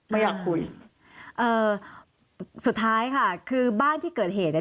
ไม่อยากคุยเอ่อสุดท้ายค่ะคือบ้านที่เกิดเหตุเนี้ย